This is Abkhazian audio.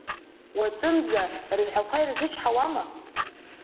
Уаҵәынӡа рҳәақәа ирзычҳауама?!